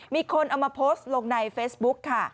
มีคนเอามาโพสต์ลงในเฟซบุ๊กค่ะ